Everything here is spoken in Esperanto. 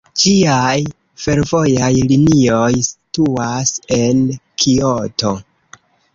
Ĝiaj fervojaj linioj situas en Kioto.